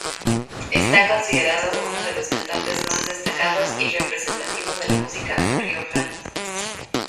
Está considerado uno de los cantantes más destacados y representativos de la música riojana.